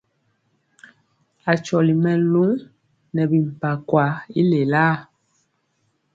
Akyɔli mɛluŋ nɛ bimpakwa i lelaa.